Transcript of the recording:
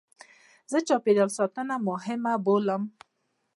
زه چاپېریال ساتنه مهمه بولم.